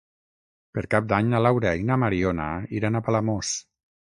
Per Cap d'Any na Laura i na Mariona iran a Palamós.